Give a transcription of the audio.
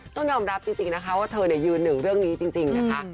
ต้องยอมรับจริงนะคะว่าเธอยืนหนึ่งเรื่องนี้จริงนะคะ